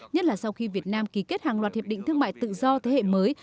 nhất là sau khi việt nam ký kết hàng loạt hiệp định thương mại tự do thế hệ mới